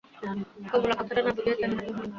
কমলা কথাটা না বুঝিয়া চাহিয়া রহিল।